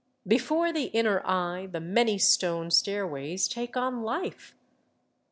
Before the inner eye the many stone stairways take on life.